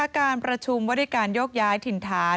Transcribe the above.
การประชุมว่าด้วยการโยกย้ายถิ่นฐาน